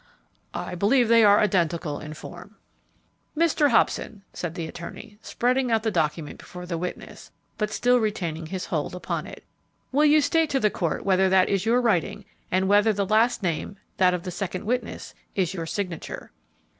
"I believe they are identical in form." "Mr. Hobson," said the attorney, spreading out the document before the witness, but still retaining his hold upon it, "will you state to the court whether that is your writing, and whether the last name, that of the second witness, is your signature."